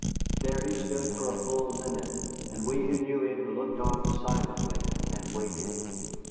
There he stood for a full minute, and we who knew him looked on silently and waited.